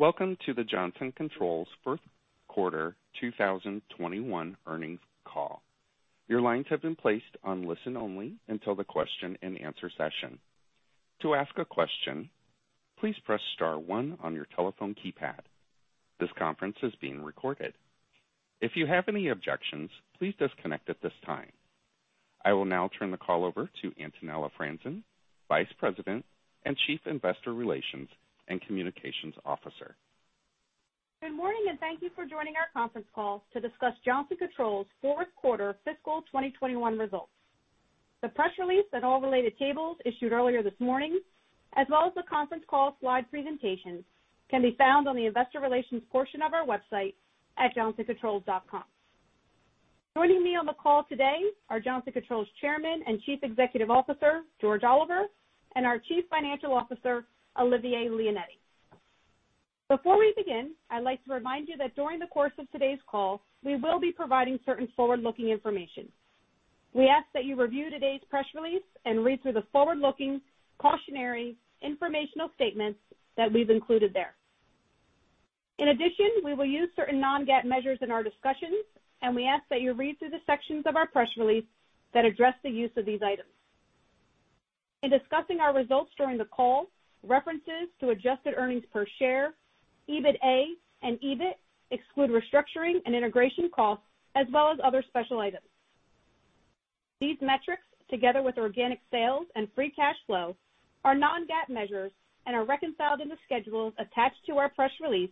Welcome to the Johnson Controls fourth quarter 2021 earnings call. Your lines have been placed on listen only until the question and answer session. To ask a question, please press star one on your telephone keypad. This conference is being recorded. If you have any objections, please disconnect at this time. I will now turn the call over to Antonella Franzen, Vice President and Chief Investor Relations and Communications Officer. Good morning, and thank you for joining our conference call to discuss Johnson Controls fourth quarter fiscal 2021 results. The press release and all related tables issued earlier this morning, as well as the conference call slide presentations, can be found on the investor relations portion of our website at johnsoncontrols.com. Joining me on the call today are Johnson Controls Chairman and Chief Executive Officer George Oliver, and our Chief Financial Officer Olivier Leonetti. Before we begin, I'd like to remind you that during the course of today's call, we will be providing certain forward-looking information. We ask that you review today's press release and read through the forward-looking cautionary informational statements that we've included there. In addition, we will use certain non-GAAP measures in our discussions, and we ask that you read through the sections of our press release that address the use of these items. In discussing our results during the call, references to adjusted earnings per share, EBITA and EBIT exclude restructuring and integration costs, as well as other special items. These metrics, together with organic sales and free cash flow, are non-GAAP measures and are reconciled in the schedules attached to our press release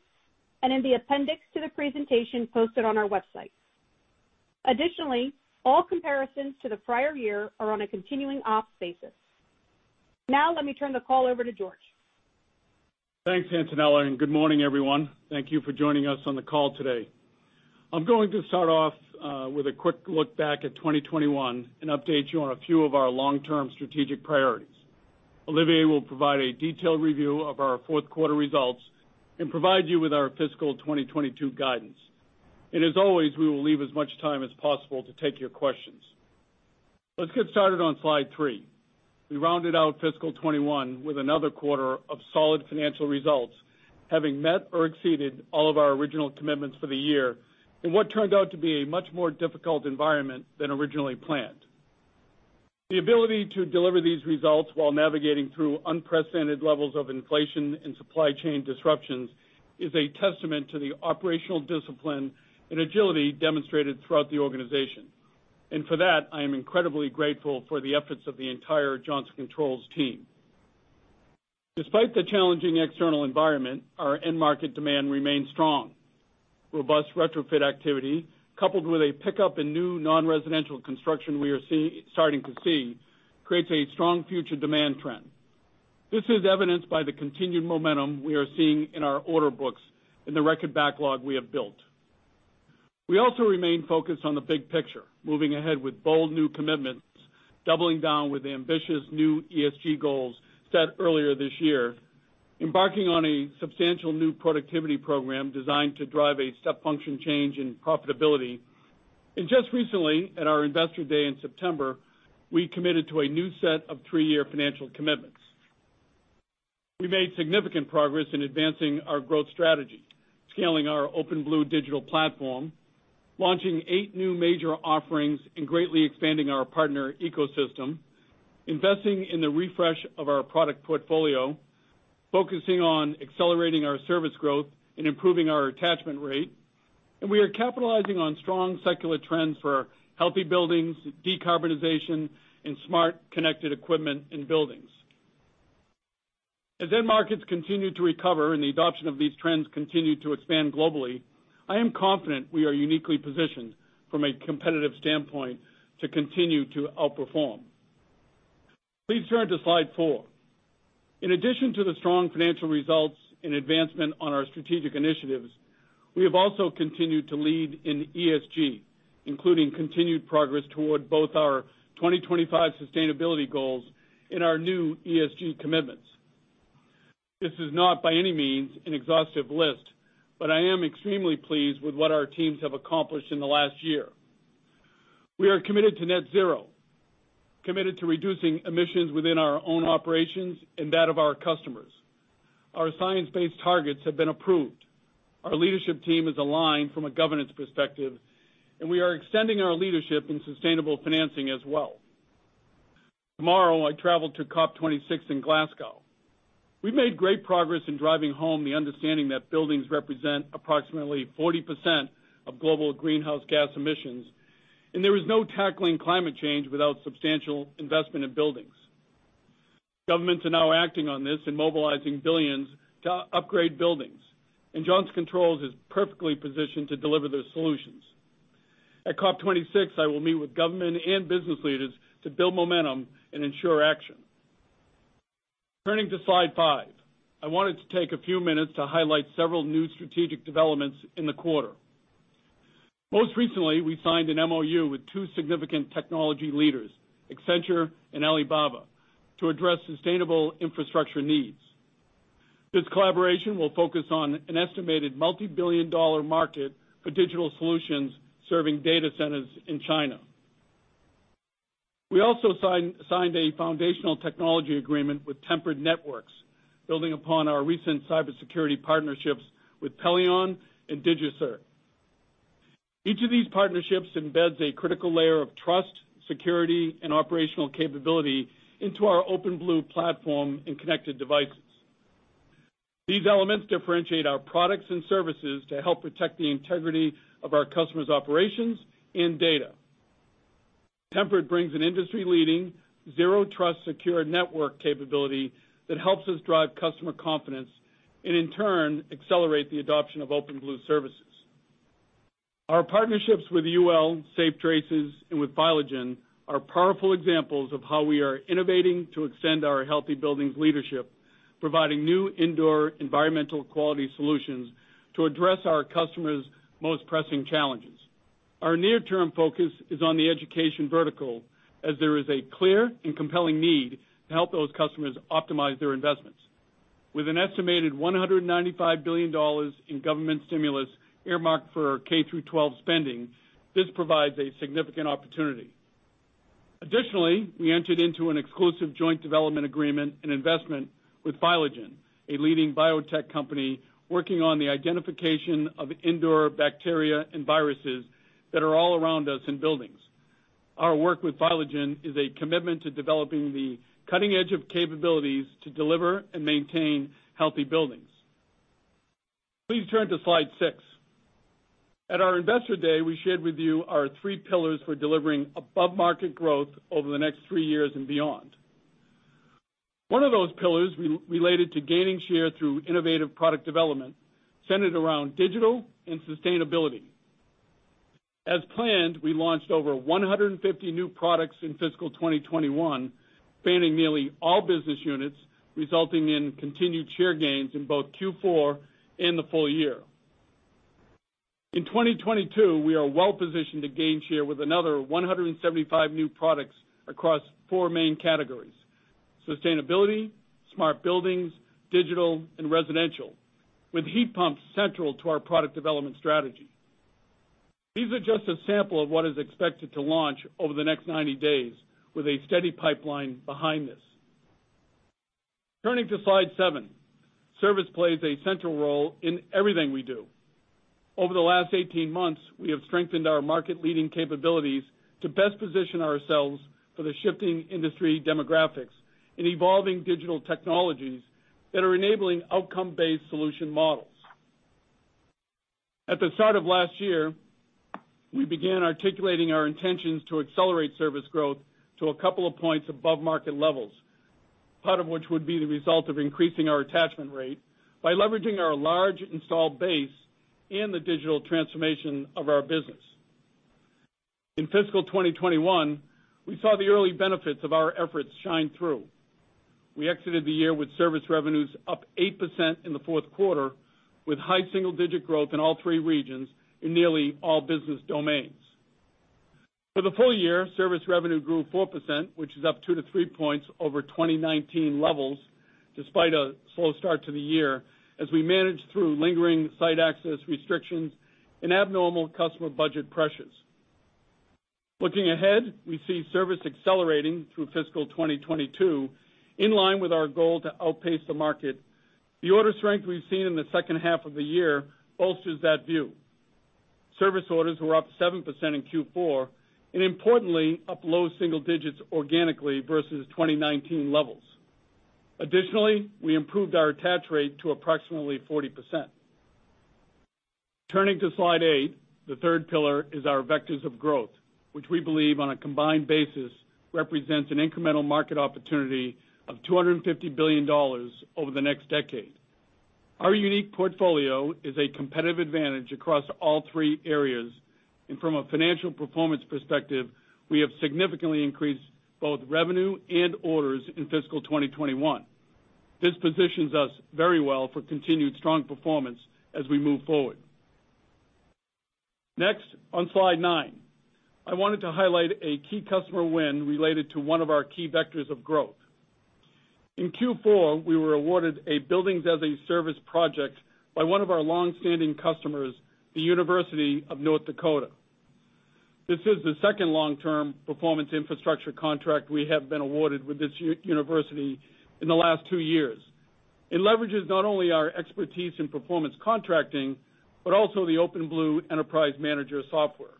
and in the appendix to the presentation posted on our website. Additionally, all comparisons to the prior year are on a continuing ops basis. Now let me turn the call over to George. Thanks, Antonella, and good morning, everyone. Thank you for joining us on the call today. I'm going to start off with a quick look back at 2021 and update you on a few of our long-term strategic priorities. Olivier will provide a detailed review of our fourth quarter results and provide you with our fiscal 2022 guidance. As always, we will leave as much time as possible to take your questions. Let's get started on slide three. We rounded out fiscal 2021 with another quarter of solid financial results, having met or exceeded all of our original commitments for the year in what turned out to be a much more difficult environment than originally planned. The ability to deliver these results while navigating through unprecedented levels of inflation and supply chain disruptions is a testament to the operational discipline and agility demonstrated throughout the organization. For that, I am incredibly grateful for the efforts of the entire Johnson Controls team. Despite the challenging external environment, our end market demand remains strong. Robust retrofit activity, coupled with a pickup in new non-residential construction we are starting to see, creates a strong future demand trend. This is evidenced by the continued momentum we are seeing in our order books and the record backlog we have built. We also remain focused on the big picture, moving ahead with bold new commitments, doubling down with ambitious new ESG goals set earlier this year, embarking on a substantial new productivity program designed to drive a step function change in profitability. Just recently, at our Investor Day in September, we committed to a new set of three-year financial commitments. We made significant progress in advancing our growth strategy, scaling our OpenBlue digital platform, launching eight new major offerings and greatly expanding our partner ecosystem, investing in the refresh of our product portfolio, focusing on accelerating our service growth and improving our attachment rate. We are capitalizing on strong secular trends for healthy buildings, decarbonization, and smart connected equipment and buildings. As end markets continue to recover and the adoption of these trends continue to expand globally, I am confident we are uniquely positioned from a competitive standpoint to continue to outperform. Please turn to slide four. In addition to the strong financial results and advancement on our strategic initiatives, we have also continued to lead in ESG, including continued progress toward both our 2025 sustainability goals and our new ESG commitments. This is not by any means an exhaustive list, but I am extremely pleased with what our teams have accomplished in the last year. We are committed to net zero, committed to reducing emissions within our own operations and that of our customers. Our science-based targets have been approved. Our leadership team is aligned from a governance perspective, and we are extending our leadership in sustainable financing as well. Tomorrow, I travel to COP26 in Glasgow. We've made great progress in driving home the understanding that buildings represent approximately 40% of global greenhouse gas emissions, and there is no tackling climate change without substantial investment in buildings. Governments are now acting on this and mobilizing billions to upgrade buildings, and Johnson Controls is perfectly positioned to deliver those solutions. At COP26, I will meet with government and business leaders to build momentum and ensure action. Turning to slide five. I wanted to take a few minutes to highlight several new strategic developments in the quarter. Most recently, we signed an MoU with two significant technology leaders, Accenture and Alibaba, to address sustainable infrastructure needs. This collaboration will focus on an estimated multi-billion dollar market for digital solutions serving data centers in China. We also signed a foundational technology agreement with Tempered Networks, building upon our recent cybersecurity partnerships with Pelion and DigiCert. Each of these partnerships embeds a critical layer of trust, security, and operational capability into our OpenBlue platform and connected devices. These elements differentiate our products and services to help protect the integrity of our customers' operations and data. Tempered brings an industry-leading, zero trust secure network capability that helps us drive customer confidence and, in turn, accelerate the adoption of OpenBlue services. Our partnerships with UL, SafeTraces, and with Phylagen are powerful examples of how we are innovating to extend our healthy buildings leadership, providing new indoor environmental quality solutions to address our customers' most pressing challenges. Our near-term focus is on the education vertical, as there is a clear and compelling need to help those customers optimize their investments. With an estimated $195 billion in government stimulus earmarked for K-12 spending, this provides a significant opportunity. Additionally, we entered into an exclusive joint development agreement and investment with Phylagen, a leading biotech company working on the identification of indoor bacteria and viruses that are all around us in buildings. Our work with Phylagen is a commitment to developing the cutting edge of capabilities to deliver and maintain healthy buildings. Please turn to slide six. At our Investor Day, we shared with you our three pillars for delivering above-market growth over the next three years and beyond. One of those pillars related to gaining share through innovative product development, centered around digital and sustainability. As planned, we launched over 150 new products in fiscal 2021, spanning nearly all business units, resulting in continued share gains in both Q4 and the full year. In 2022, we are well positioned to gain share with another 175 new products across four main categories: sustainability, smart buildings, digital, and residential, with heat pumps central to our product development strategy. These are just a sample of what is expected to launch over the next 90 days with a steady pipeline behind this. Turning to slide seven. Service plays a central role in everything we do. Over the last 18 months, we have strengthened our market-leading capabilities to best position ourselves for the shifting industry demographics and evolving digital technologies that are enabling outcome-based solution models. At the start of last year, we began articulating our intentions to accelerate service growth to a couple of points above market levels, part of which would be the result of increasing our attachment rate by leveraging our large installed base and the digital transformation of our business. In fiscal 2021, we saw the early benefits of our efforts shine through. We exited the year with service revenues up 8% in the fourth quarter, with high single-digit growth in all three regions in nearly all business domains. For the full year, service revenue grew 4%, which is up two-three points over 2019 levels, despite a slow start to the year as we managed through lingering site access restrictions and abnormal customer budget pressures. Looking ahead, we see service accelerating through fiscal 2022 in line with our goal to outpace the market. The order strength we've seen in the second half of the year bolsters that view. Service orders were up 7% in Q4, and importantly, up low single digits organically versus 2019 levels. Additionally, we improved our attach rate to approximately 40%. Turning to slide eight, the third pillar is our vectors of growth, which we believe on a combined basis, represents an incremental market opportunity of $250 billion over the next decade. Our unique portfolio is a competitive advantage across all three areas, and from a financial performance perspective, we have significantly increased both revenue and orders in fiscal 2021. This positions us very well for continued strong performance as we move forward. Next, on slide nine, I wanted to highlight a key customer win related to one of our key vectors of growth. In Q4, we were awarded a Buildings as a Service project by one of our long-standing customers, the University of North Dakota. This is the second long-term performance infrastructure contract we have been awarded with this university in the last two years. It leverages not only our expertise in performance contracting, but also the OpenBlue Enterprise Manager software.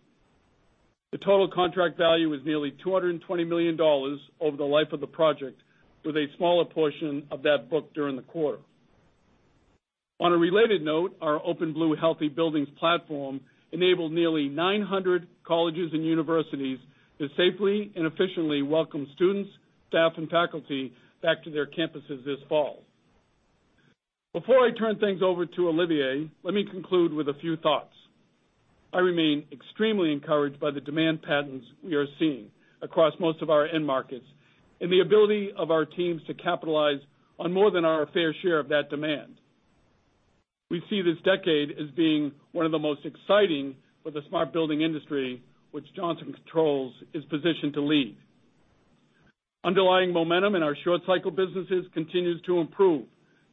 The total contract value is nearly $220 million over the life of the project, with a smaller portion of that booked during the quarter. On a related note, our OpenBlue Healthy Buildings platform enabled nearly 900 colleges and universities to safely and efficiently welcome students, staff, and faculty back to their campuses this fall. Before I turn things over to Olivier, let me conclude with a few thoughts. I remain extremely encouraged by the demand patterns we are seeing across most of our end markets and the ability of our teams to capitalize on more than our fair share of that demand. We see this decade as being one of the most exciting for the smart building industry, which Johnson Controls is positioned to lead. Underlying momentum in our short cycle businesses continues to improve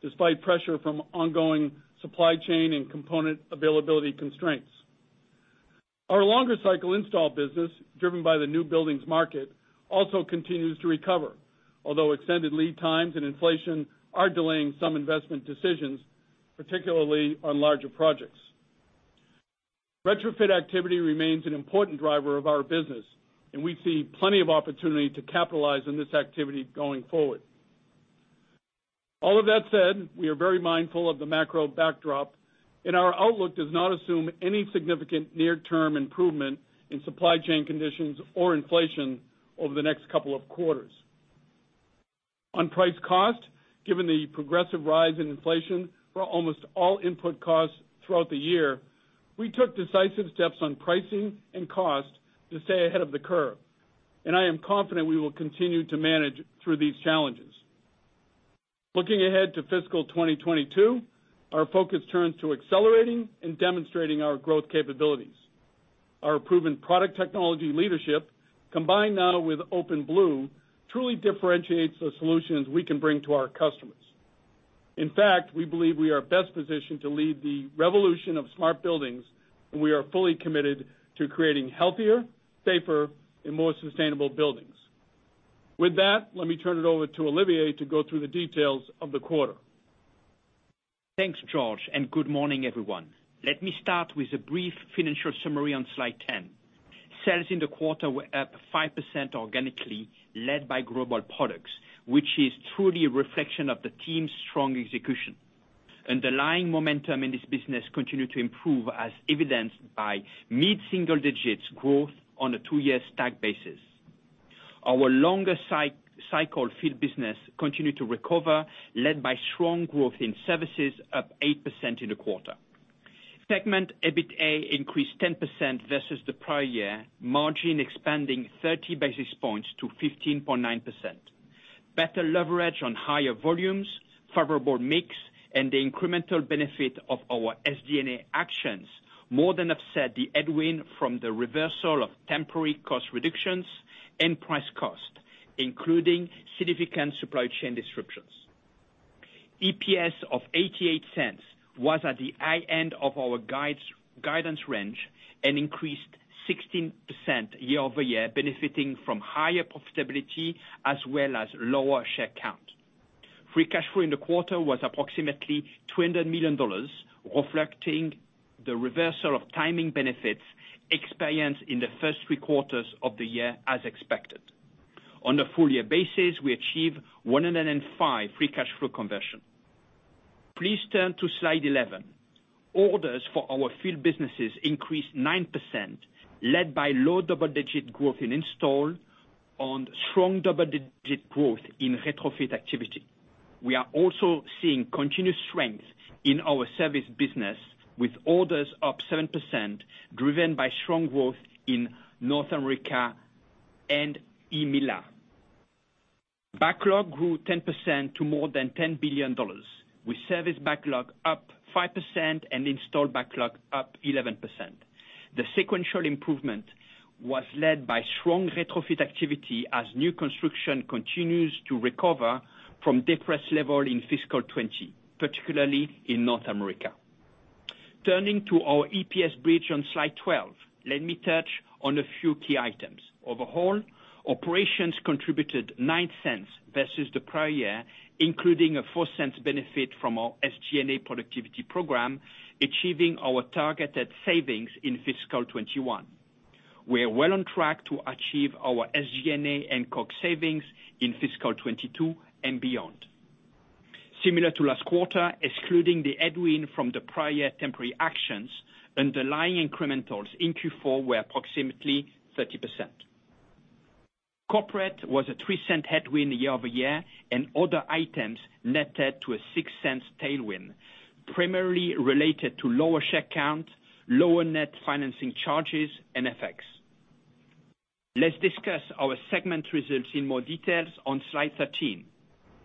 despite pressure from ongoing supply chain and component availability constraints. Our longer cycle install business, driven by the new buildings market, also continues to recover, although extended lead times and inflation are delaying some investment decisions, particularly on larger projects. Retrofit activity remains an important driver of our business, and we see plenty of opportunity to capitalize on this activity going forward. All of that said, we are very mindful of the macro backdrop, and our outlook does not assume any significant near-term improvement in supply chain conditions or inflation over the next couple of quarters. On price cost, given the progressive rise in inflation for almost all input costs throughout the year, we took decisive steps on pricing and cost to stay ahead of the curve, and I am confident we will continue to manage through these challenges. Looking ahead to fiscal 2022, our focus turns to accelerating and demonstrating our growth capabilities. Our proven product technology leadership, combined now with OpenBlue, truly differentiates the solutions we can bring to our customers. In fact, we believe we are best positioned to lead the revolution of smart buildings, and we are fully committed to creating healthier, safer, and more sustainable buildings. With that, let me turn it over to Olivier to go through the details of the quarter. Thanks, George, and good morning, everyone. Let me start with a brief financial summary on slide ten. Sales in the quarter were up 5% organically, led by global products, which is truly a reflection of the team's strong execution. Underlying momentum in this business continued to improve as evidenced by mid-single digits growth on a two-year stack basis. Our longer cycle field business continued to recover, led by strong growth in services up 8% in the quarter. Segment EBITA increased 10% versus the prior year, margin expanding 30 basis points to 15.9%. Better leverage on higher volumes, favorable mix, and the incremental benefit of our SG&A actions more than offset the headwind from the reversal of temporary cost reductions and price cost, including significant supply chain disruptions. EPS was at the high end of our guidance range and increased 16% year-over-year, benefiting from higher profitability as well as lower share count. Free cash flow in the quarter was approximately $200 million, reflecting the reversal of timing benefits experienced in the first three quarters of the year as expected. On a full-year basis, we achieved 105% free cash flow conversion. Please turn to slide 11. Orders for our field businesses increased 9%, led by low double-digit growth in install and strong double-digit growth in retrofit activity. We are also seeing continuous strength in our service business with orders up 7%, driven by strong growth in North America and EMEALA. Backlog grew 10% to more than $10 billion, with service backlog up 5% and install backlog up 11%. The sequential improvement was led by strong retrofit activity as new construction continues to recover from depressed levels in fiscal 2020, particularly in North America. Turning to our EPS bridge on slide 12, let me touch on a few key items. Overall, operations contributed $0.09 versus the prior year, including a $0.04 benefit from our SG&A productivity program, achieving our targeted savings in fiscal 2021. We are well on track to achieve our SG&A and COGS savings in fiscal 2022 and beyond. Similar to last quarter, excluding the headwind from the prior temporary actions, underlying incrementals in Q4 were approximately 30%. Corporate was a $0.03 headwind year-over-year, and other items netted to a $0.06 tailwind, primarily related to lower share count, lower net financing charges, and FX. Let's discuss our segment results in more detail on slide 13.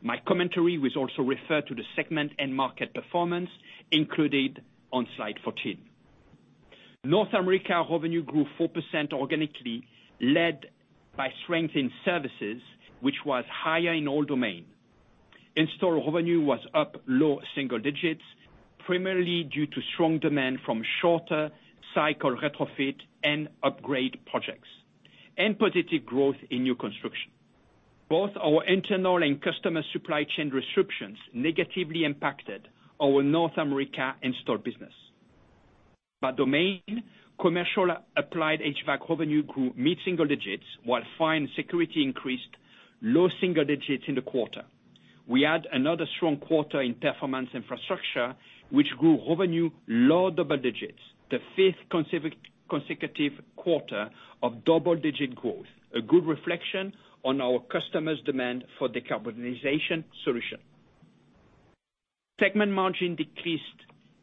My commentary was also referred to the segment and market performance included on slide 14. North America revenue grew 4% organically, led by strength in services, which was higher in all domain. Install revenue was up low single digits, primarily due to strong demand from shorter cycle retrofit and upgrade projects and positive growth in new construction. Both our internal and customer supply chain restrictions negatively impacted our North America install business. By domain, commercial applied HVAC revenue grew mid-single digits, while fire and security increased low single digits in the quarter. We had another strong quarter in performance infrastructure, which grew revenue low double digits, the fifth consecutive quarter of double-digit growth, a good reflection on our customers' demand for decarbonization solution. Segment margin decreased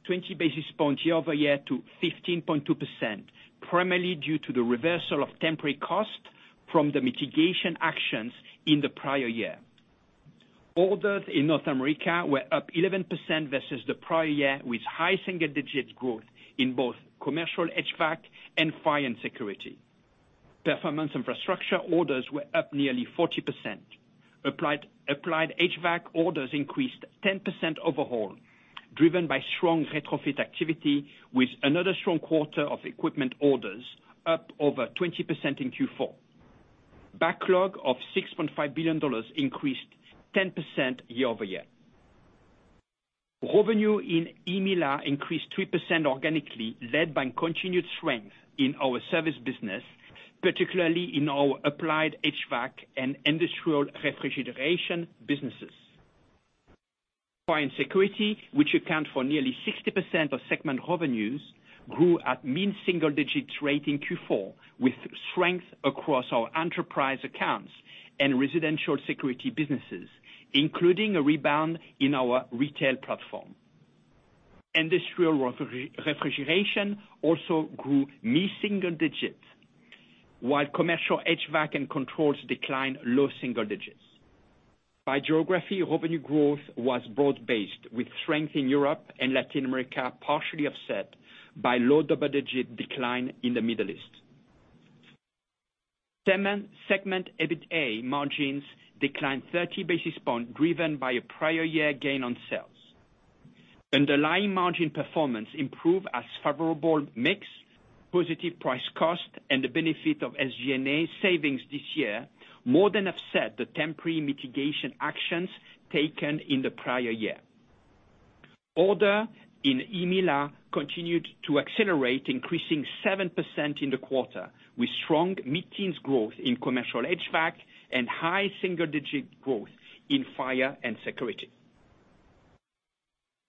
20 basis points year-over-year to 15.2%, primarily due to the reversal of temporary costs from the mitigation actions in the prior year. Orders in North America were up 11% versus the prior year, with high single-digit growth in both commercial HVAC and Fire and Security. Performance infrastructure orders were up nearly 40%. Applied HVAC orders increased 10% overall, driven by strong retrofit activity with another strong quarter of equipment orders up over 20% in Q4. Backlog of $6.5 billion increased 10% year-over-year. Revenue in EMEALA increased 3% organically, led by continued strength in our service business, particularly in our applied HVAC and industrial refrigeration businesses. Fire and Security, which account for nearly 60% of segment revenues, grew at mid single digits rate in Q4, with strength across our enterprise accounts and residential security businesses, including a rebound in our retail platform. Industrial refrigeration also grew mid single digits, while commercial HVAC and controls declined low single digits. By geography, revenue growth was broad-based, with strength in Europe and Latin America partially offset by low double-digit decline in the Middle East. Segment EBITA margins declined 30 basis points, driven by a prior year gain on sales. Underlying margin performance improved as favorable mix, positive price cost, and the benefit of SG&A savings this year more than offset the temporary mitigation actions taken in the prior year. Orders in EMEALA continued to accelerate, increasing 7% in the quarter, with strong mid-teens growth in commercial HVAC and high single-digit growth in fire and security.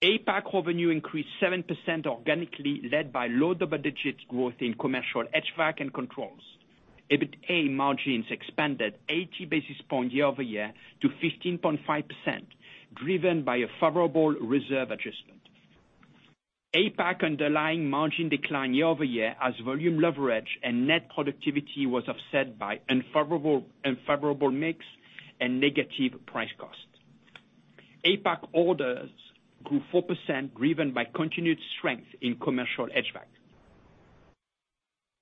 APAC revenue increased 7% organically, led by low double-digit growth in commercial HVAC and controls. EBITA margins expanded 80 basis points year over year to 15.5%, driven by a favorable reserve adjustment. APAC underlying margin declined year over year as volume leverage and net productivity was offset by unfavorable mix and negative price cost. APAC orders grew 4%, driven by continued strength in commercial HVAC.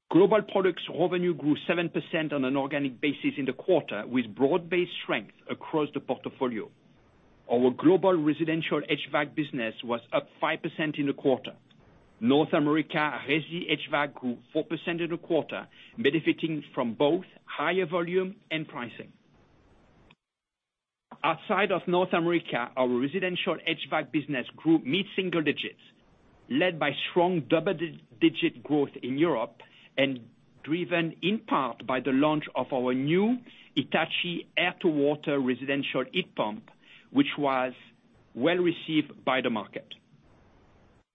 Global products revenue grew 7% on an organic basis in the quarter, with broad-based strength across the portfolio. Our global residential HVAC business was up 5% in the quarter. North America resi HVAC grew 4% in the quarter, benefiting from both higher volume and pricing. Outside of North America, our residential HVAC business grew mid single digits, led by strong double-digit growth in Europe and driven in part by the launch of our new Hitachi air-to-water residential heat pump, which was well received by the market.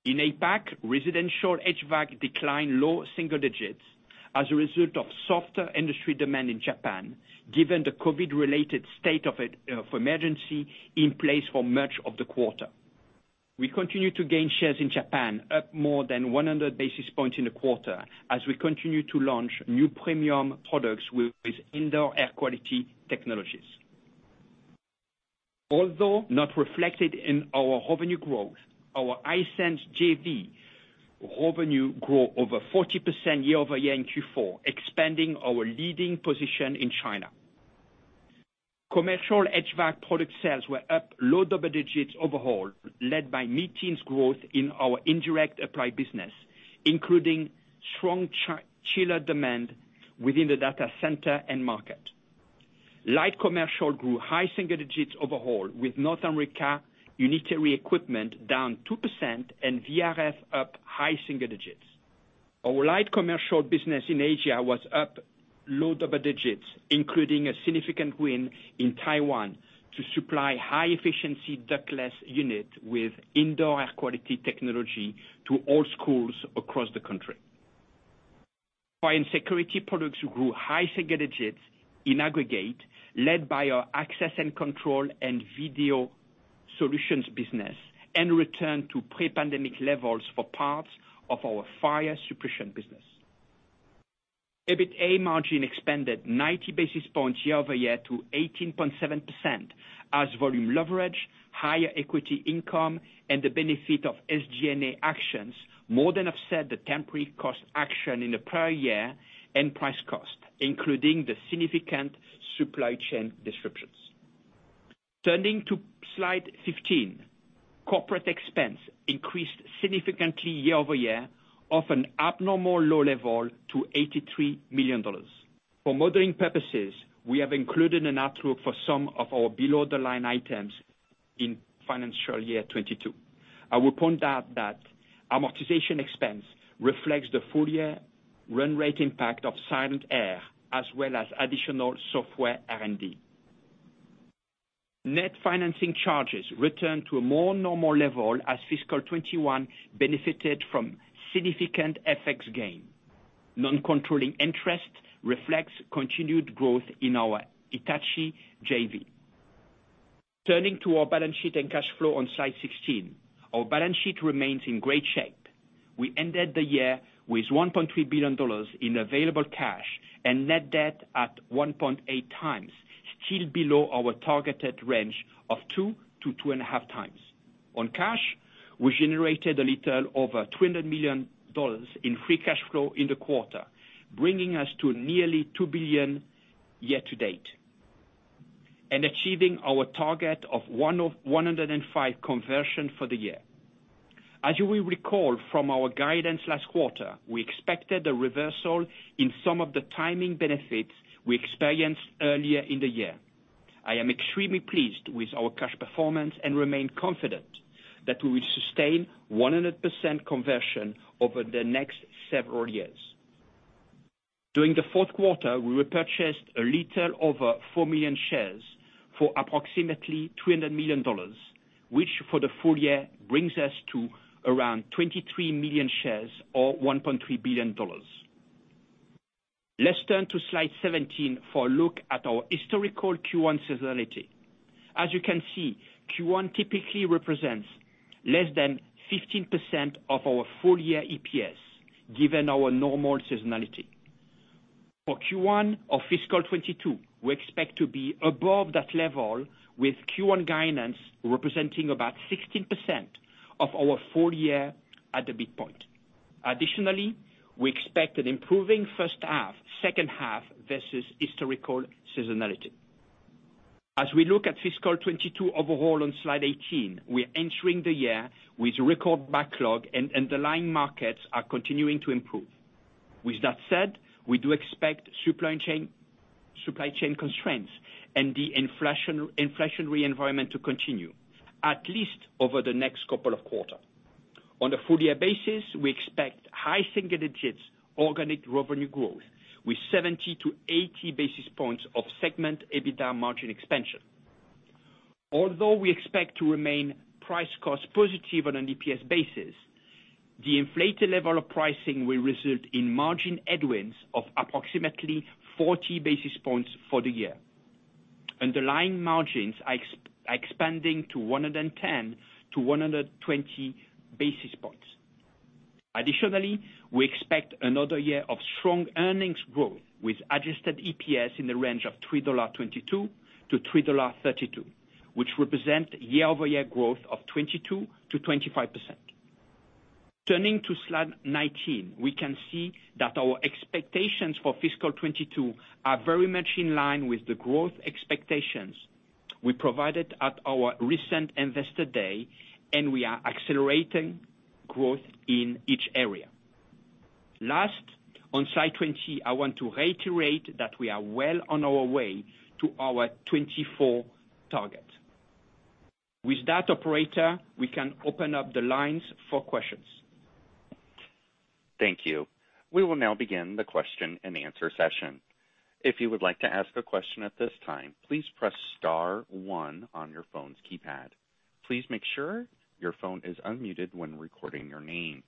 In APAC, residential HVAC declined low single digits as a result of softer industry demand in Japan, given the COVID-related state of emergency in place for much of the quarter. We continue to gain shares in Japan, up more than 100 basis points in the quarter as we continue to launch new premium products with indoor air quality technologies. Although not reflected in our revenue growth, our Hisense JV revenue grew over 40% year-over-year in Q4, expanding our leading position in China. Commercial HVAC product sales were up low double digits overall, led by mid-teens growth in our indirect applied business, including strong chiller demand within the data center end market. Light commercial grew high single digits overall, with North America unitary equipment down 2% and VRF up high single digits. Our light commercial business in Asia was up low double digits, including a significant win in Taiwan to supply high-efficiency ductless unit with indoor air quality technology to all schools across the country. Fire and security products grew high single digits in aggregate, led by our access and control and video solutions business and return to pre-pandemic levels for parts of our fire suppression business. EBITA margin expanded 90 basis points year-over-year to 18.7% as volume leverage, higher equity income, and the benefit of SG&A actions more than offset the temporary cost action in the prior year and price cost, including the significant supply chain disruptions. Turning to slide 15. Corporate expense increased significantly year-over-year, off an abnormal low level to $83 million. For modeling purposes, we have included an outlook for some of our below-the-line items in fiscal year 2022. I will point out that amortization expense reflects the full year run rate impact of Silent-Aire, as well as additional software R&D. Net financing charges return to a more normal level as fiscal 2021 benefited from significant FX gain. Non-controlling interest reflects continued growth in our Hitachi JV. Turning to our balance sheet and cash flow on slide 16. Our balance sheet remains in great shape. We ended the year with $1.3 billion in available cash and net debt at 1.8x, still below our targeted range of two-2.5x. On cash, we generated a little over $200 million in free cash flow in the quarter, bringing us to nearly $2 billion year to date and achieving our target of 105% conversion for the year. As you will recall from our guidance last quarter, we expected a reversal in some of the timing benefits we experienced earlier in the year. I am extremely pleased with our cash performance and remain confident that we will sustain 100% conversion over the next several years. During the fourth quarter, we repurchased a little over four million shares for approximately $200 million, which, for the full year, brings us to around 23 million shares, or $1.3 billion. Let's turn to slide 17 for a look at our historical Q1 seasonality. As you can see, Q1 typically represents less than 15% of our full year EPS, given our normal seasonality. For Q1 of fiscal 2022, we expect to be above that level, with Q1 guidance representing about 16% of our full year at the midpoint. Additionally, we expect an improving first half, second half versus historical seasonality. As we look at fiscal 2022 overall on slide 18, we're entering the year with record backlog and underlying markets are continuing to improve. With that said, we do expect supply chain constraints and the inflationary environment to continue at least over the next couple of quarter. On a full year basis, we expect high single digits organic revenue growth with 70-80 basis points of segment EBITDA margin expansion. Although we expect to remain price cost positive on an EPS basis, the inflated level of pricing will result in margin headwinds of approximately 40 basis points for the year. Underlying margins are expanding to 110-120 basis points. Additionally, we expect another year of strong earnings growth with adjusted EPS in the range of $3.22-$3.32, which represent year-over-year growth of 22%-25%. Turning to slide 19, we can see that our expectations for fiscal 2022 are very much in line with the growth expectations we provided at our recent Investor Day, and we are accelerating growth in each area. Last, on slide 20, I want to reiterate that we are well on our way to our 2024 target. With that, operator, we can open up the lines for questions. Thank you. We will now begin the question-and-answer session. If you would like to ask a question at this time, please press star one on your phone's keypad. Please make sure your phone is unmuted when recording your name.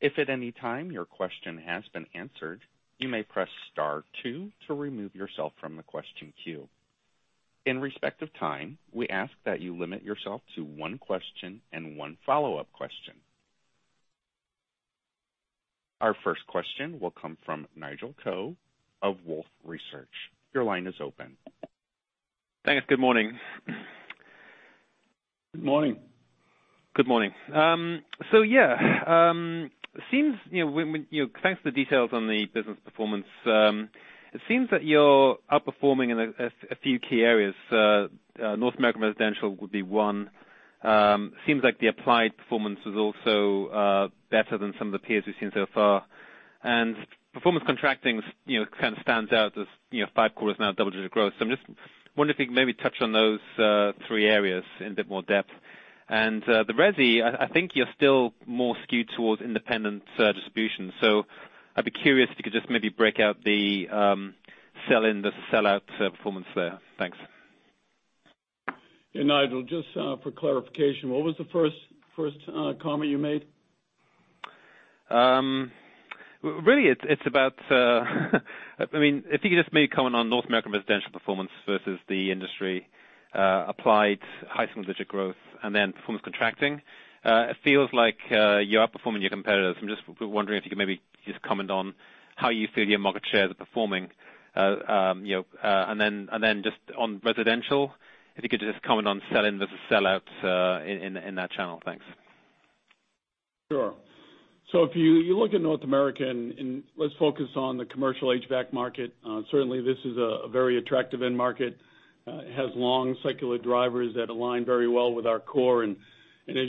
If at any time your question has been answered, you may press star two to remove yourself from the question queue. In respect of time, we ask that you limit yourself to one question and one follow-up question. Our first question will come from Nigel Coe of Wolfe Research. Your line is open. Thanks. Good morning. Good morning. Good morning. Thanks for the details on the business performance. It seems that you're outperforming in a few key areas. North American residential would be one. Seems like the Applied performance is also better than some of the peers we've seen so far. Performance contracting stands out as five quarters now of double-digit growth. I'm just wondering if you can maybe touch on those three areas in a bit more depth. The resi, I think you're still more skewed towards independent distribution, so I'd be curious if you could just maybe break out the sell-in versus sellout performance there? Thanks. Yeah, Nigel, just for clarification, what was the first comment you made? Really it's about, I mean, if you could just maybe comment on North American residential performance versus the industry, applied high single-digit growth and then performance contracting. It feels like you're outperforming your competitors. I'm just wondering if you could maybe just comment on how you feel your market shares are performing. You know, and then just on residential, if you could just comment on sell-in versus sellout, in that channel? Thanks. Sure. If you look at North America and let's focus on the commercial HVAC market, certainly this is a very attractive end market. It has long secular drivers that align very well with our core. As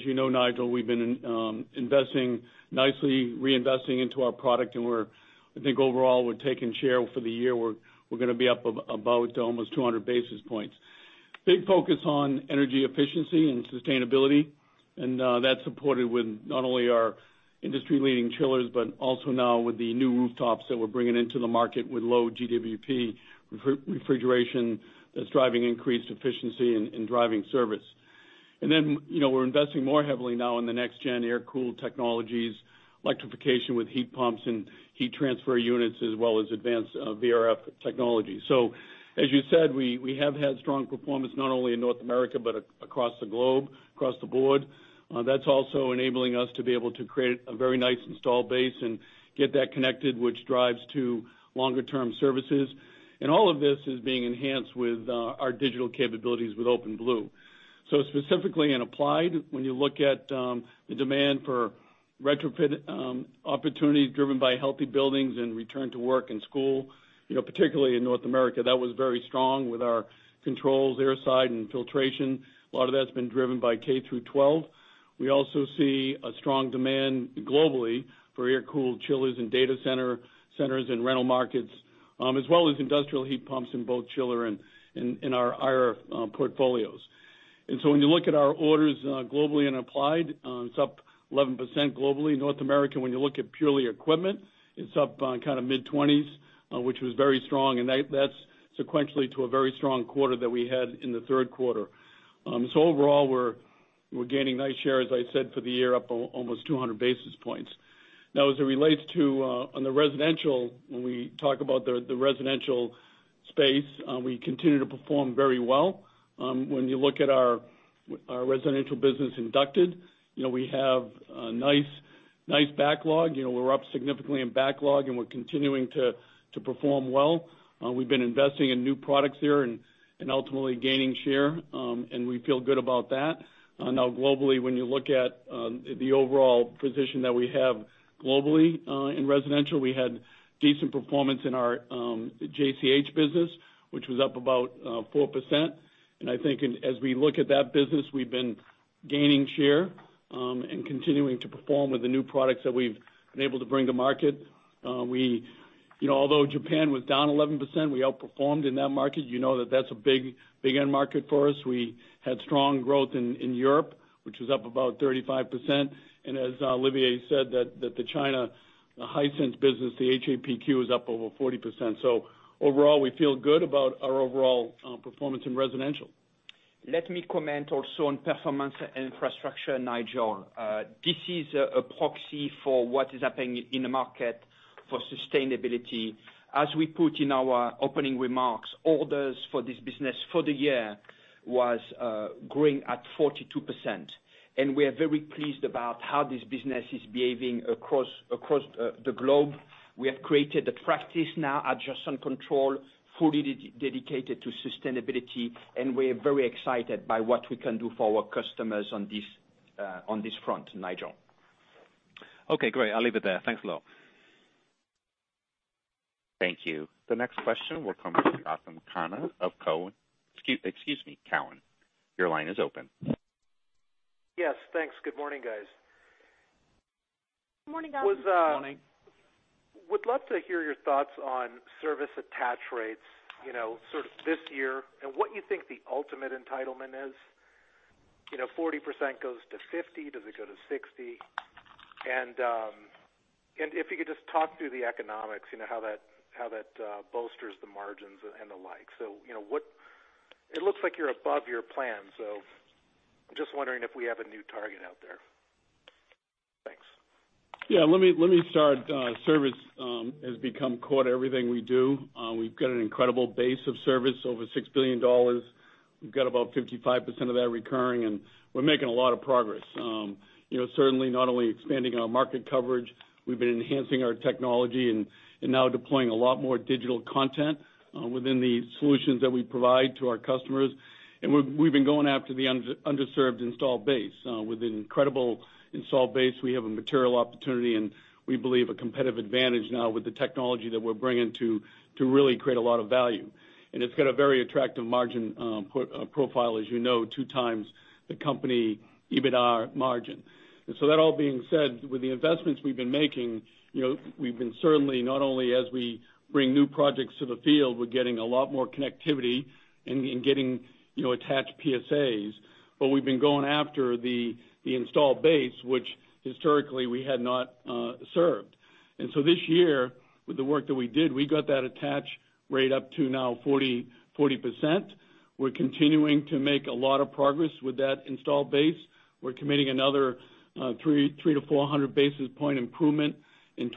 you know, Nigel, we've been investing, nicely reinvesting into our product, and I think overall we're taking share. For the year, we're gonna be up about almost 200 basis points. Big focus on energy efficiency and sustainability, and that's supported with not only our industry-leading chillers, but also now with the new rooftops that we're bringing into the market with low GWP refrigeration that's driving increased efficiency and driving service. You know, we're investing more heavily now in the next gen air-cooled technologies, electrification with heat pumps and heat transfer units, as well as advanced VRF technology. As you said, we have had strong performance not only in North America, but across the globe, across the board. That's also enabling us to be able to create a very nice install base and get that connected, which drives to longer term services. All of this is being enhanced with our digital capabilities with OpenBlue. Specifically in Applied, when you look at the demand for retrofit opportunities driven by healthy buildings and return to work and school, you know, particularly in North America, that was very strong with our controls airside and filtration. A lot of that's been driven by K-12. We also see a strong demand globally for air-cooled chillers and data centers and rental markets, as well as industrial heat pumps in both chiller and air portfolios. When you look at our orders globally in Applied, it's up 11% globally. North America, when you look at purely equipment, it's up kind of mid-20s, which was very strong. That's sequentially to a very strong quarter that we had in the third quarter. Overall, we're gaining nice share, as I said, for the year, up almost 200 basis points. Now, as it relates to on the residential, when we talk about the residential space, we continue to perform very well. When you look at our residential business in ducted, you know, we have a nice backlog. You know, we're up significantly in backlog, and we're continuing to perform well. We've been investing in new products there and ultimately gaining share, and we feel good about that. Now globally, when you look at the overall position that we have globally in residential, we had decent performance in our JCH business, which was up about 4%. I think as we look at that business, we've been gaining share and continuing to perform with the new products that we've been able to bring to market. You know, although Japan was down 11%, we outperformed in that market. You know that that's a big end market for us. We had strong growth in Europe, which was up about 35%. As Olivier said that the China Hisense business, the HAPQ, is up over 40%. Overall, we feel good about our overall performance in residential. Let me comment also on performance infrastructure, Nigel. This is a proxy for what is happening in the market for sustainability. As we put in our opening remarks, orders for this business for the year was growing at 42%, and we are very pleased about how this business is behaving across the globe. We have created a practice now at Johnson Controls fully dedicated to sustainability, and we're very excited by what we can do for our customers on this front, Nigel. Okay, great. I'll leave it there. Thanks a lot. Thank you. The next question will come from Gautam Khanna of Cowen. Excuse me. Your line is open. Yes, thanks. Good morning, guys. Good morning, Gautam. Good morning. Would love to hear your thoughts on service attach rates, you know, sort of this year and what you think the ultimate entitlement is. You know, 40% goes to 50%, does it go to 60%? If you could just talk through the economics, you know, how that bolsters the margins and the like. You know, it looks like you're above your plan, so just wondering if we have a new target out there. Thanks. Yeah. Let me start. Service has become core to everything we do. We've got an incredible base of service, over $6 billion. We've got about 55% of that recurring, and we're making a lot of progress. You know, certainly not only expanding our market coverage, we've been enhancing our technology and now deploying a lot more digital content within the solutions that we provide to our customers. We've been going after the underserved installed base. With an incredible installed base, we have a material opportunity, and we believe a competitive advantage now with the technology that we're bringing to really create a lot of value. It's got a very attractive margin profile, as you know, 2x the company EBITDA margin. That all being said, with the investments we've been making, you know, we've been certainly not only as we bring new projects to the field, we're getting a lot more connectivity and getting, you know, attached PSAs. We've been going after the installed base, which historically we had not served. This year, with the work that we did, we got that attach rate up to now 40%. We're continuing to make a lot of progress with that installed base. We're committing another 300-400 basis point improvement in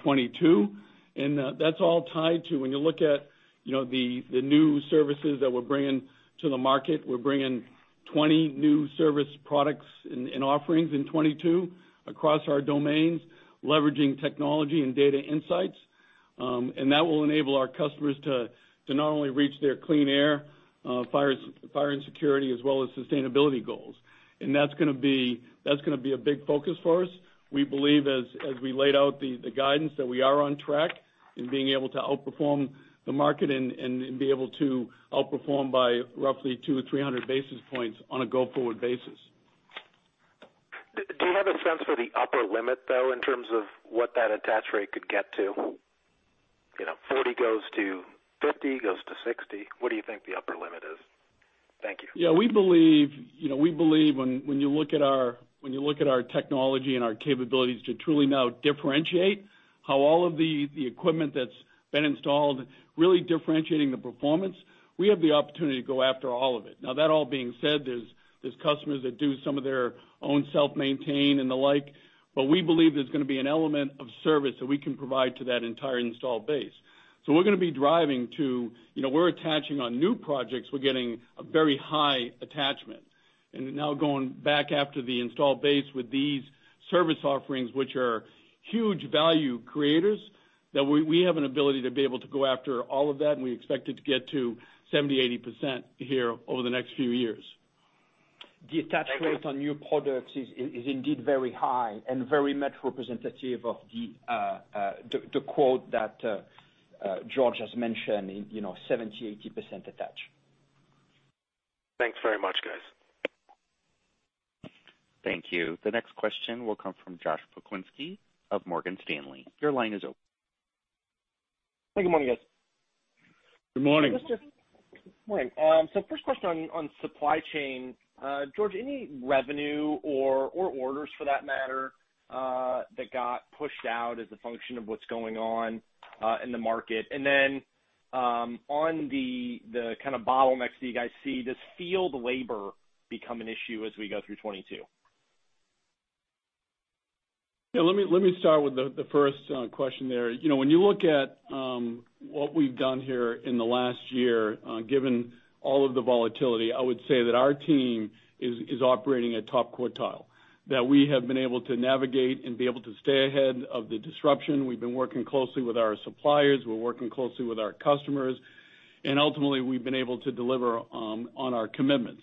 2022. That's all tied to when you look at, you know, the new services that we're bringing to the market. We're bringing 20 new service products and offerings in 2022 across our domains, leveraging technology and data insights. That will enable our customers to not only reach their clean air, fire safety and security, as well as sustainability goals. That's gonna be a big focus for us. We believe as we laid out the guidance that we are on track in being able to outperform the market and be able to outperform by roughly 200-300 basis points on a go-forward basis. Do you have a sense for the upper limit, though, in terms of what that attach rate could get to? You know, 40% goes to 50%, goes to 60%. What do you think the upper limit is? Thank you. Yeah. We believe, you know, when you look at our technology and our capabilities to truly now differentiate how all of the equipment that's been installed really differentiating the performance. We have the opportunity to go after all of it. Now, that all being said, there's customers that do some of their own self-maintain and the like, but we believe there's gonna be an element of service that we can provide to that entire installed base. We're gonna be driving to, you know, we're attaching on new projects, we're getting a very high attachment. Now going back after the installed base with these service offerings, which are huge value creators that we have an ability to be able to go after all of that, and we expect it to get to 70%-80% here over the next few years. The attach rates on new products is indeed very high and very much representative of the quote that George has mentioned, you know, 70%-80% attach. Thanks very much, guys. Thank you. The next question will come from Josh Pokrzywinski of Morgan Stanley. Your line is open. Good morning, guys. Good morning. Morning. So first question on supply chain. George, any revenue or orders for that matter, that got pushed out as a function of what's going on in the market? Then, on the kind of bottlenecks that you guys see, does field labor become an issue as we go through 2022? Yeah, let me start with the first question there. You know, when you look at what we've done here in the last year, given all of the volatility, I would say that our team is operating at top quartile. That we have been able to navigate and be able to stay ahead of the disruption. We've been working closely with our suppliers, we're working closely with our customers, and ultimately, we've been able to deliver on our commitments.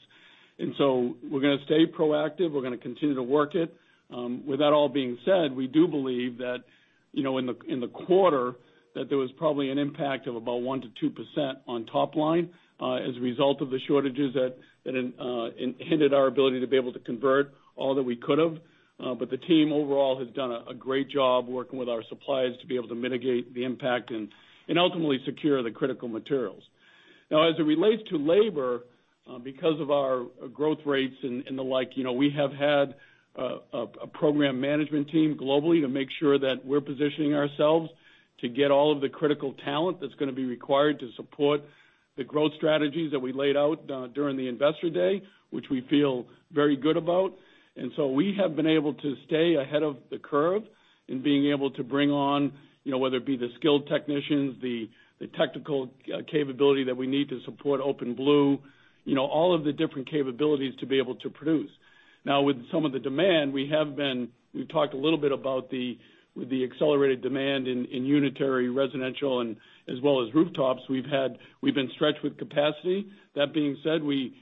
We're gonna stay proactive, we're gonna continue to work it. With that all being said, we do believe that, you know, in the quarter, that there was probably an impact of about 1%-2% on top line as a result of the shortages that hindered our ability to be able to convert all that we could've. But the team overall has done a great job working with our suppliers to be able to mitigate the impact and ultimately secure the critical materials. Now, as it relates to labor, because of our growth rates and the like, you know, we have had a program management team globally to make sure that we're positioning ourselves to get all of the critical talent that's gonna be required to support the growth strategies that we laid out during the Investor Day, which we feel very good about. We have been able to stay ahead of the curve in being able to bring on, you know, whether it be the skilled technicians, the technical capability that we need to support OpenBlue, you know, all of the different capabilities to be able to produce. Now, with some of the demand, we've talked a little bit about the accelerated demand in unitary residential as well as rooftops. We've been stretched with capacity. That being said, we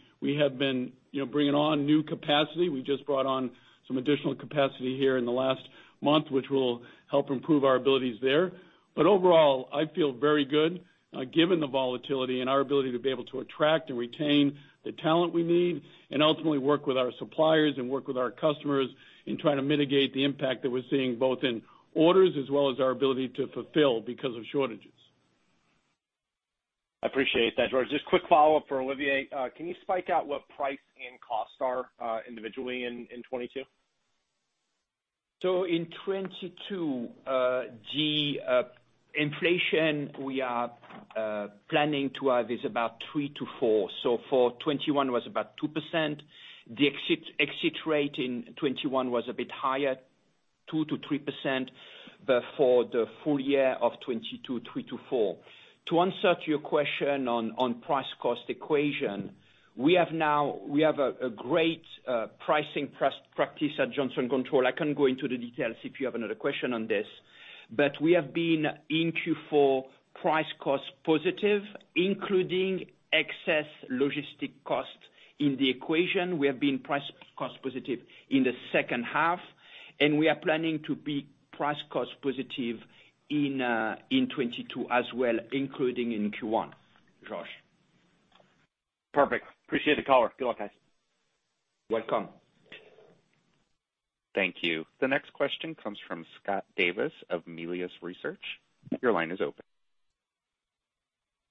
have been, you know, bringing on new capacity. We just brought on some additional capacity here in the last month, which will help improve our abilities there. Overall, I feel very good, given the volatility and our ability to be able to attract and retain the talent we need, and ultimately work with our suppliers and work with our customers in trying to mitigate the impact that we're seeing both in orders as well as our ability to fulfill because of shortages. I appreciate that, George. Just quick follow-up for Olivier. Can you break out what price and costs are, individually in 2022? In 2022, the inflation we are planning to have is about 3%-4%. For 2021 was about 2%. The exit rate in 2021 was a bit higher, 2%-3%. For the full year of 2022, 3%-4%. To answer your question on price cost equation, we have a great pricing practice at Johnson Controls. I can go into the details if you have another question on this. We have been in Q4 price cost positive, including excess logistic costs in the equation. We have been price cost positive in the second half, and we are planning to be price cost positive in 2022 as well, including in Q1, Josh. Perfect. Appreciate the color. Good luck, guys. Welcome. Thank you. The next question comes from Scott Davis of Melius Research. Your line is open.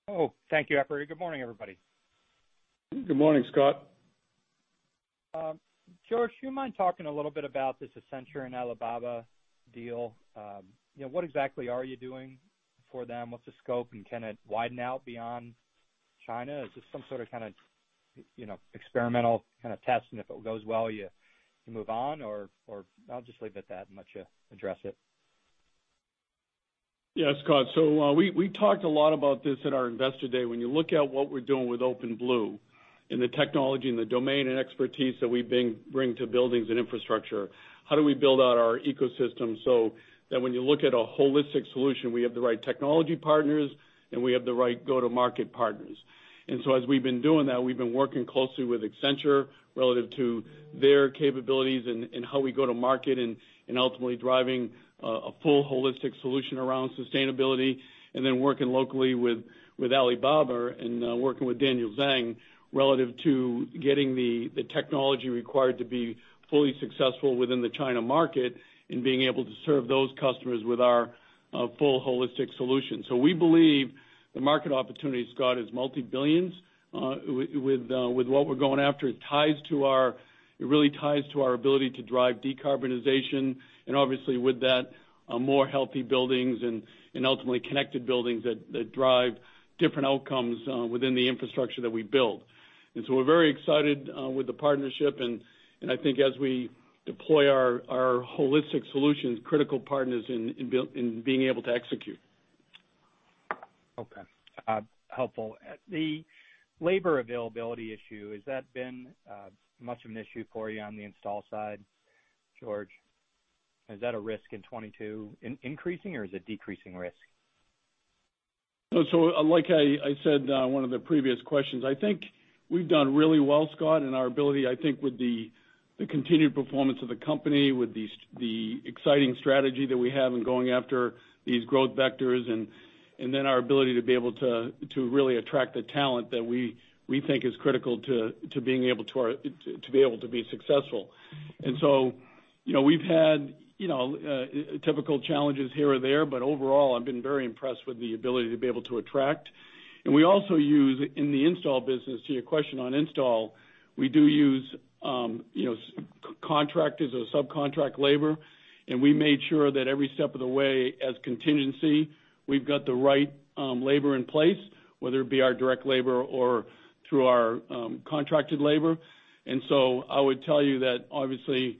Oh, thank you, operator. Good morning, everybody. Good morning, Scott. George, do you mind talking a little bit about this Accenture and Alibaba deal? You know, what exactly are you doing for them? What's the scope, and can it widen out beyond China? Is this some sort of kinda, you know, experimental kinda test and if it goes well you move on or I'll just leave it at that and let you address it. Yes, Scott. We talked a lot about this at our Investor Day. When you look at what we're doing with OpenBlue and the technology and the domain and expertise that we bring to buildings and infrastructure, how do we build out our ecosystem so that when you look at a holistic solution, we have the right technology partners, and we have the right go-to-market partners? As we've been doing that, we've been working closely with Accenture relative to their capabilities and how we go to market and ultimately driving a full holistic solution around sustainability. Working locally with Alibaba and working with Daniel Zhang relative to getting the technology required to be fully successful within the China market, and being able to serve those customers with our full holistic solution. We believe the market opportunity, Scott, is multi-billions. With what we're going after, it really ties to our ability to drive decarbonization and obviously with that, more healthy buildings and ultimately connected buildings that drive different outcomes within the infrastructure that we build. We're very excited with the partnership. I think as we deploy our holistic solutions, critical partners in being able to execute. Okay. Helpful. The labor availability issue, has that been much of an issue for you on the install side, George? Is that a risk in 2022 increasing, or is it decreasing risk? Like I said on one of the previous questions, I think we've done really well, Scott, in our ability, I think with the continued performance of the company, with the exciting strategy that we have in going after these growth vectors, and then our ability to really attract the talent that we think is critical to being able to be successful. You know, we've had you know, typical challenges here or there, but overall I've been very impressed with the ability to attract. We also use in the install business, to your question on install, we do use you know, contractors or subcontract labor. We made sure that every step of the way as contingency, we've got the right labor in place, whether it be our direct labor or through our contracted labor. I would tell you that obviously,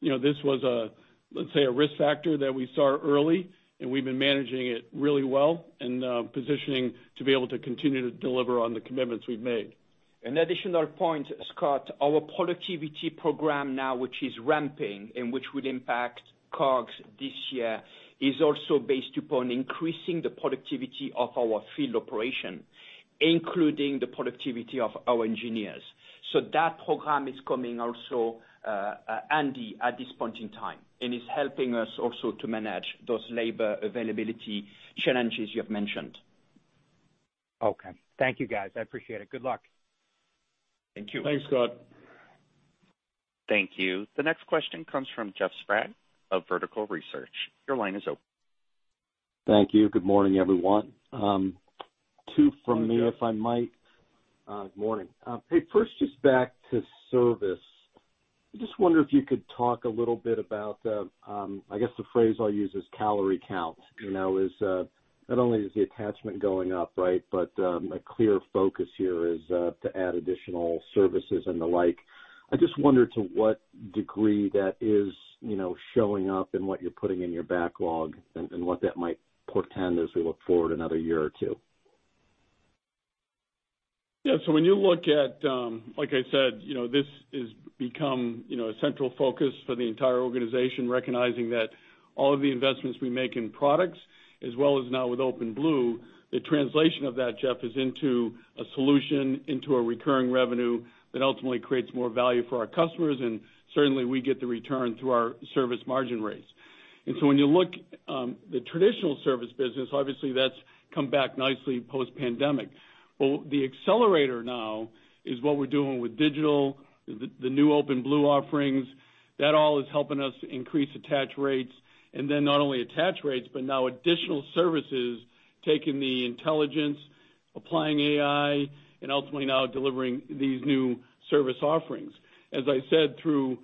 you know, this was a, let's say, a risk factor that we saw early, and we've been managing it really well and positioning to be able to continue to deliver on the commitments we've made. An additional point, Scott, our productivity program now, which is ramping and which would impact COGS this year, is also based upon increasing the productivity of our field operation, including the productivity of our engineers. That program is coming also handy at this point in time, and it's helping us also to manage those labor availability challenges you have mentioned. Okay. Thank you, guys. I appreciate it. Good luck. Thank you. Thanks, Scott. Thank you. The next question comes from Jeff Sprague of Vertical Research. Your line is open. Thank you. Good morning, everyone. Two from me, if I might. Good morning, Jeff. Good morning. Hey, first, just back to service. I just wonder if you could talk a little bit about, I guess, the phrase I'll use is calorie count. You know, not only is the attachment going up, right? A clear focus here is to add additional services and the like. I just wonder to what degree that is, you know, showing up in what you're putting in your backlog and what that might portend as we look forward another year or two. Yeah. When you look at, like I said, you know, this has become, you know, a central focus for the entire organization, recognizing that all of the investments we make in products as well as now with OpenBlue, the translation of that, Jeff, is into a solution, into a recurring revenue that ultimately creates more value for our customers, and certainly we get the return through our service margin rates. When you look, the traditional service business, obviously that's come back nicely post-pandemic. The accelerator now is what we're doing with digital, the new OpenBlue offerings. That all is helping us increase attach rates, and then not only attach rates but now additional services, taking the intelligence, applying AI, and ultimately now delivering these new service offerings. As I said through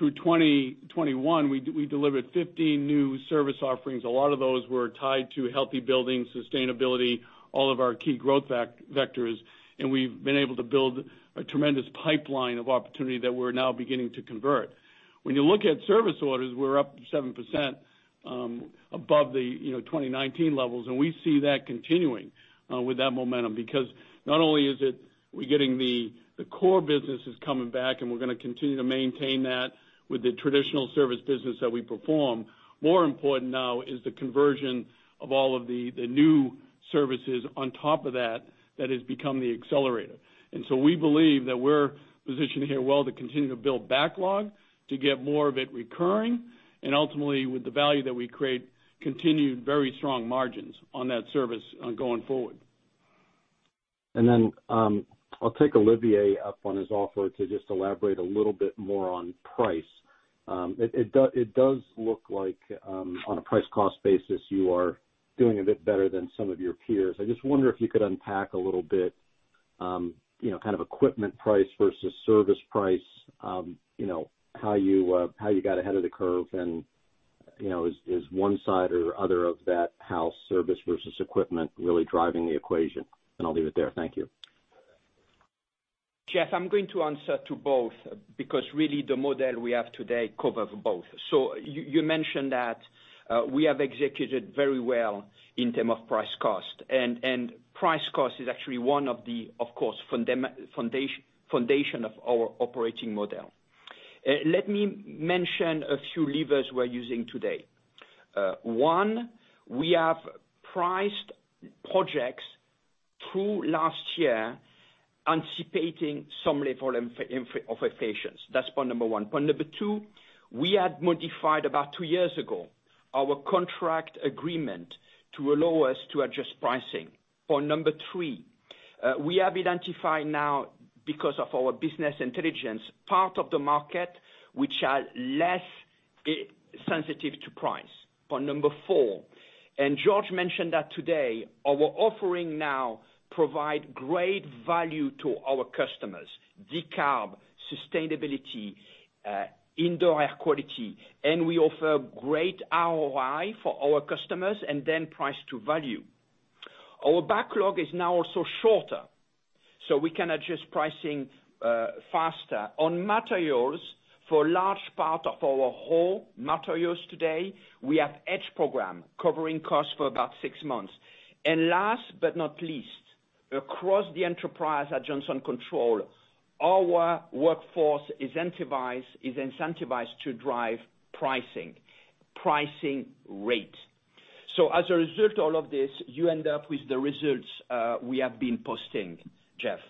2021, we delivered 15 new service offerings. A lot of those were tied to healthy building, sustainability, all of our key growth vectors, and we've been able to build a tremendous pipeline of opportunity that we're now beginning to convert. When you look at service orders, we're up 7%, you know, above the 2019 levels, and we see that continuing with that momentum. Because not only is that we're getting the core businesses coming back, and we're gonna continue to maintain that with the traditional service business that we perform, more important now is the conversion of all of the new services on top of that that has become the accelerator. We believe that we're positioned here well to continue to build backlog, to get more of it recurring, and ultimately, with the value that we create, continued very strong margins on that service going forward. I'll take Olivier up on his offer to just elaborate a little bit more on price. It does look like, on a price cost basis, you are doing a bit better than some of your peers. I just wonder if you could unpack a little bit, you know, kind of equipment price versus service price. You know, how you got ahead of the curve and, you know, is one side or other of that how service versus equipment really driving the equation. I'll leave it there. Thank you. Jeff, I'm going to answer to both because really the model we have today covers both. You mentioned that we have executed very well in terms of price cost. Price cost is actually one of the, of course, foundation of our operating model. Let me mention a few levers we're using today. One, we have priced projects through last year, anticipating some level of inflation. That's point number one. Point number two, we had modified about two years ago our contract agreement to allow us to adjust pricing. Point number three, we have identified now because of our business intelligence, part of the market which are less sensitive to price. Point number four, George mentioned that today, our offering now provide great value to our customers, decarb, sustainability, indoor air quality, and we offer great ROI for our customers and then price to value. Our backlog is now also shorter, so we can adjust pricing faster. On materials, for large part of our whole materials today, we have hedge program covering costs for about six months. Last but not least, across the enterprise at Johnson Controls, our workforce is incentivized to drive pricing rate. As a result all of this, you end up with the results we have been posting, Jeff.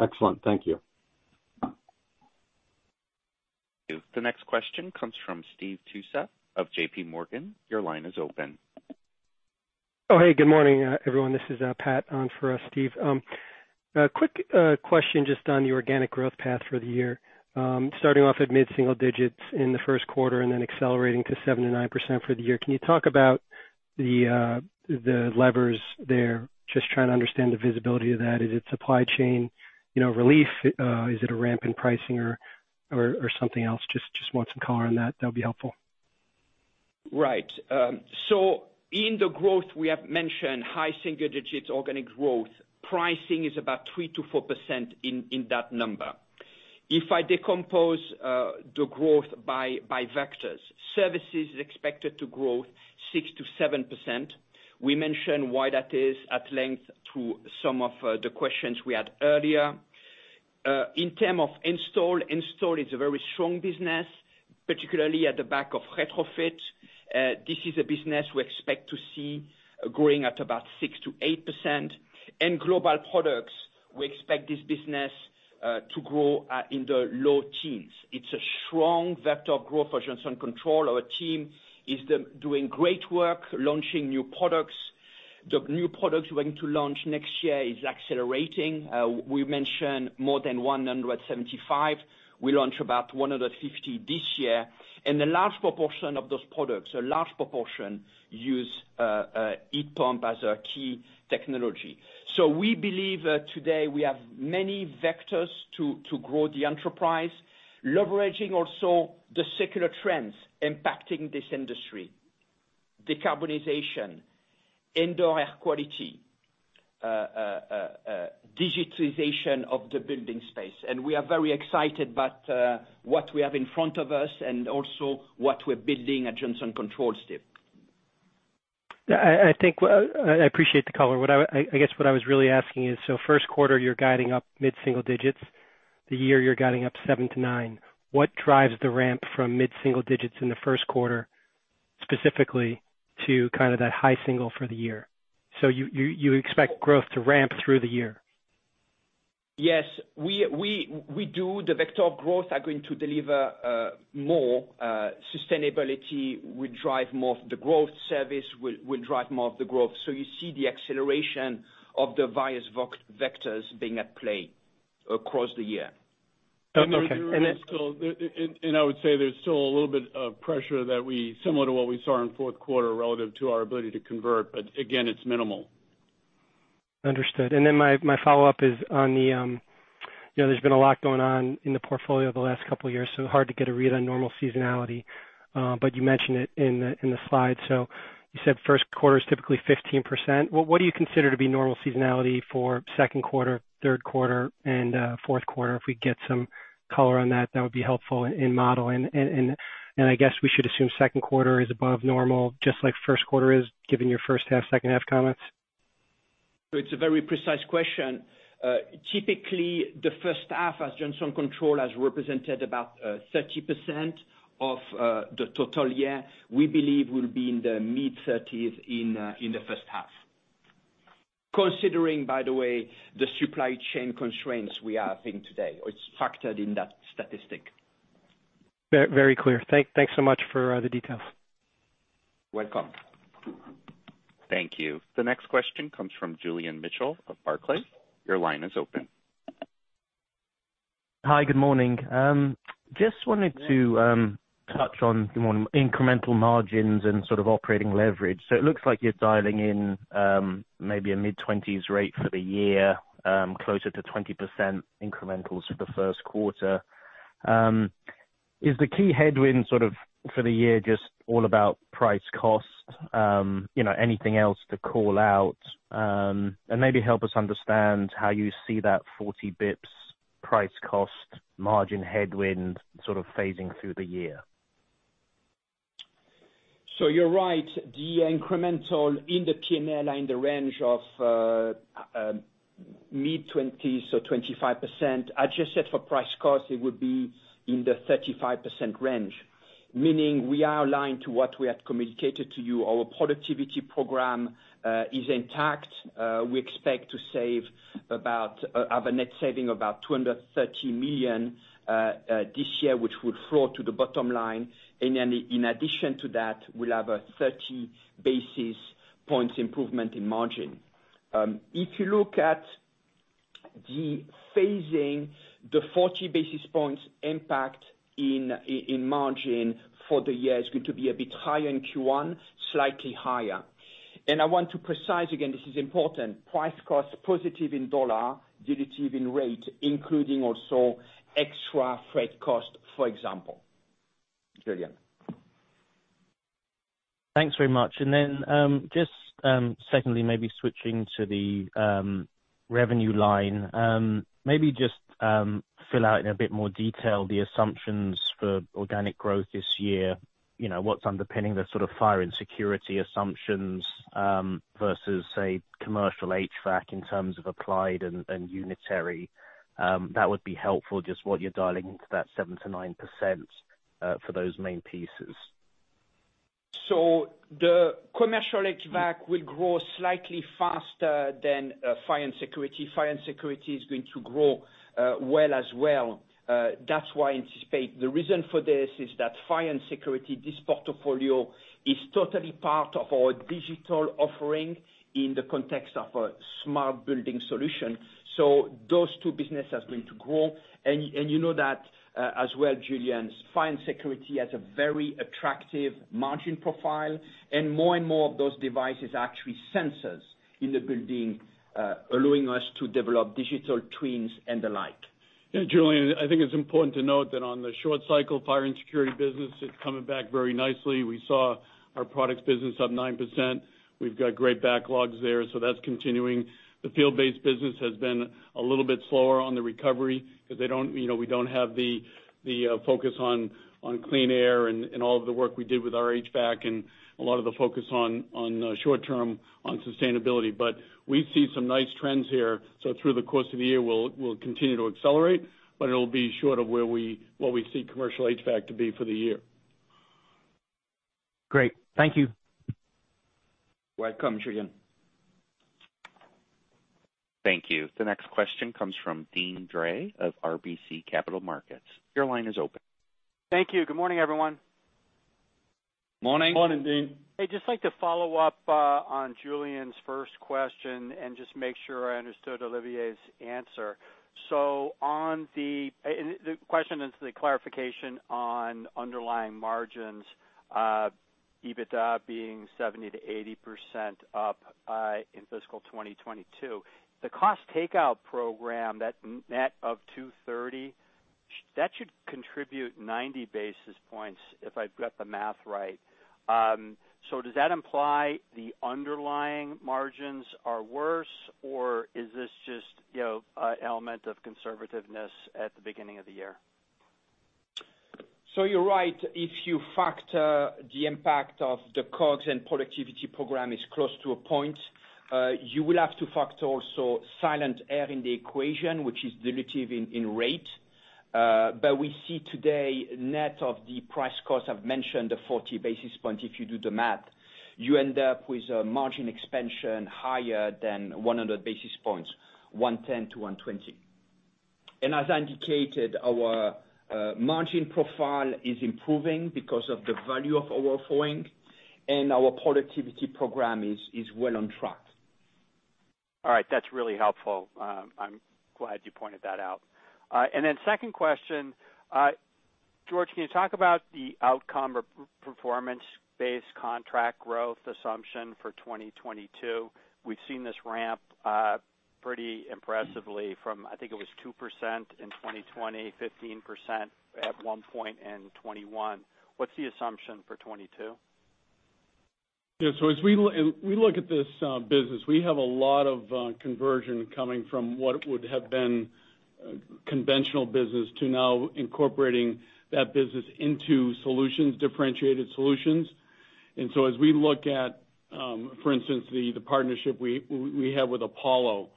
Excellent. Thank you. The next question comes from Steve Tusa of JPMorgan. Your line is open. Good morning, everyone. This is Pat on for Steve. A quick question just on the organic growth path for the year. Starting off at mid-single digits in the first quarter and then accelerating to 7%-9% for the year. Can you talk about the levers there? Just trying to understand the visibility of that. Is it supply chain, you know, relief? Is it a ramp in pricing or something else? Just want some color on that. That'd be helpful. Right. In the growth, we have mentioned high single digits organic growth. Pricing is about 3%-4% in that number. If I decompose the growth by vectors, services is expected to grow 6%-7%. We mentioned why that is at length through some of the questions we had earlier. In terms of install is a very strong business, particularly on the back of retrofit. This is a business we expect to see growing at about 6%-8%. In global products, we expect this business to grow in the low teens. It's a strong vector of growth for Johnson Controls. Our team is doing great work launching new products. The new products we're going to launch next year is accelerating. We mentioned more than 175. We launched about 150 this year. A large proportion of those products use heat pump as our key technology. We believe that today we have many vectors to grow the enterprise, leveraging also the secular trends impacting this industry. Decarbonization, indoor air quality, digitalization of the building space. We are very excited about what we have in front of us and also what we're building at Johnson Controls, Steve. I think I appreciate the color. What I guess what I was really asking is first quarter, you're guiding up mid-single digits%. The year, you're guiding up 7%-9%. What drives the ramp from mid-single digits% in the first quarter, specifically, to kind of that high single% for the year? You expect growth to ramp through the year. Yes. We do. The vectors of growth are going to deliver more. Sustainability will drive more of the growth. Service will drive more of the growth. You see the acceleration of the various vectors being at play across the year. Okay. I would say there's still a little bit of pressure similar to what we saw in fourth quarter relative to our ability to convert. Again, it's minimal. Understood. Then my follow-up is on the, there's been a lot going on in the portfolio the last couple of years, so hard to get a read on normal seasonality, but you mentioned it in the slide. You said first quarter is typically 15%. What do you consider to be normal seasonality for second quarter, third quarter, and fourth quarter? If we get some color on that would be helpful in modeling. I guess we should assume second quarter is above normal, just like first quarter is, given your first half, second half comments. It's a very precise question. Typically, the first half as Johnson Controls has represented about 30% of the total year, we believe will be in the mid-30s in the first half. Considering, by the way, the supply chain constraints we are seeing today. It's factored in that statistic. Very clear. Thanks so much for the details. Welcome. Thank you. The next question comes from Julian Mitchell of Barclays. Your line is open. Hi, good morning. Just wanted to touch on more incremental margins and sort of operating leverage. It looks like you're dialing in maybe a mid-20s rate for the year, closer to 20% incrementals for the first quarter. Is the key headwind sort of for the year just all about price-cost? You know, anything else to call out, and maybe help us understand how you see that 40 basis points price-cost margin headwind sort of phasing through the year? You're right. The incremental in the P&L are in the range of mid-20s or 25%. As you said, for price cost, it would be in the 35% range. Meaning we are aligned to what we had communicated to you. Our productivity program is intact. We expect to have a net saving of about $230 million this year, which will flow to the bottom line. In addition to that, we'll have a 30 basis points improvement in margin. If you look at the phasing, the 40 basis points impact in margin for the year is going to be a bit higher in Q1, slightly higher. I want to be precise again, this is important. Price cost positive in dollar, dilutive in rate, including also extra freight cost, for example. Julian. Thanks very much. Just secondly, maybe switching to the revenue line, maybe just fill in a bit more detail the assumptions for organic growth this year. You know, what's underpinning the sort of Fire and Security assumptions versus, say, commercial HVAC in terms of applied and unitary. That would be helpful, just what you're dialing into that 7%-9% for those main pieces. The commercial HVAC will grow slightly faster than fire and security. Fire and security is going to grow well as well. That's why we anticipate. The reason for this is that fire and security, this portfolio is totally part of our digital offering in the context of a smart building solution. Those two businesses are going to grow. And you know that as well, Julian, fire and security has a very attractive margin profile, and more and more of those devices are actually sensors in the building, allowing us to develop digital twins and the like. Yeah, Julian, I think it's important to note that on the short cycle fire and security business, it's coming back very nicely. We saw our products business up 9%. We've got great backlogs there, so that's continuing. The field-based business has been a little bit slower on the recovery because they don't, you know, we don't have the focus on clean air and all of the work we did with our HVAC and a lot of the focus on short term on sustainability. We see some nice trends here, so through the course of the year, we'll continue to accelerate, but it'll be short of what we see commercial HVAC to be for the year. Great. Thank you. Welcome, Julian. Thank you. The next question comes from Deane Dray of RBC Capital Markets. Your line is open. Thank you. Good morning, everyone. Morning. Morning, Deane. I'd just like to follow up on Julian's first question and just make sure I understood Olivier's answer. The question is the clarification on underlying margins, EBITDA being 70%-80% up in fiscal 2022. The cost takeout program, that net of 230, that should contribute 90 basis points, if I've got the math right. Does that imply the underlying margins are worse, or is this just, you know, an element of conservativeness at the beginning of the year? You're right. If you factor the impact of the COGS and productivity program is close to a point, you will have to factor also Silent-Aire in the equation, which is dilutive in rate. We see today net of the price-cost. I've mentioned the 40 basis point. If you do the math, you end up with a margin expansion higher than 100 basis points, 110-120. As I indicated, our margin profile is improving because of the value we're offering and our productivity program is well on track. All right. That's really helpful. I'm glad you pointed that out. Second question, George, can you talk about the outcome or performance-based contract growth assumption for 2022? We've seen this ramp pretty impressively from, I think it was 2% in 2020, 15% at one point in 2021. What's the assumption for 2022? Yeah. As we look at this business, we have a lot of conversion coming from what would have been conventional business to now incorporating that business into solutions, differentiated solutions. As we look at, for instance, the partnership we have with Apollo,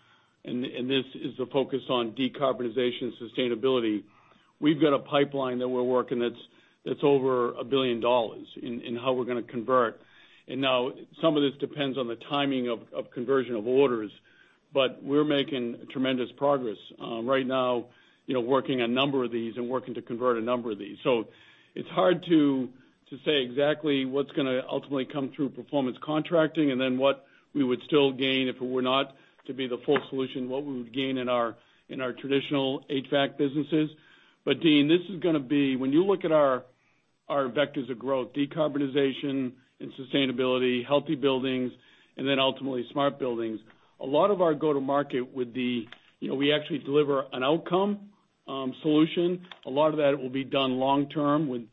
and this is the focus on decarbonization and sustainability, we've got a pipeline that we're working that's over $1 billion in how we're gonna convert. Now some of this depends on the timing of conversion of orders, but we're making tremendous progress. Right now, you know, working a number of these and working to convert a number of these. It's hard to say exactly what's gonna ultimately come through performance contracting and then what we would still gain if it were not to be the full solution, what we would gain in our traditional HVAC businesses. Deane, this is gonna be, when you look at our vectors of growth, decarbonization and sustainability, healthy buildings, and then ultimately smart buildings, a lot of our go-to-market would be, you know, we actually deliver an outcome solution. A lot of that will be done long term with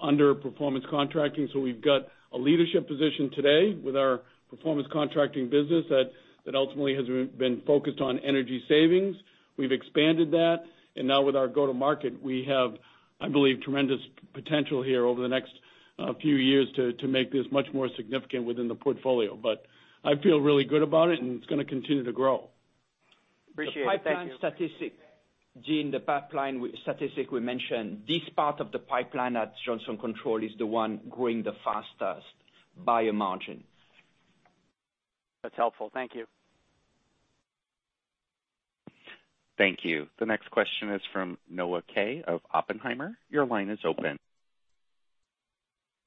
under performance contracting. We've got a leadership position today with our performance contracting business that ultimately has been focused on energy savings. We've expanded that, and now with our go-to-market, we have, I believe, tremendous potential here over the next few years to make this much more significant within the portfolio. I feel really good about it, and it's gonna continue to grow. Appreciate it. Thank you. The pipeline statistic, Deane, we mentioned, this part of the pipeline at Johnson Controls is the one growing the fastest by a margin. That's helpful. Thank you. Thank you. The next question is from Noah Kaye of Oppenheimer. Your line is open.